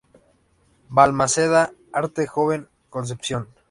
Balmaceda Arte Joven, Concepción.